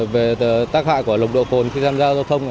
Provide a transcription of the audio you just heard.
về tác hại của nồng độ cồn khi tham gia giao thông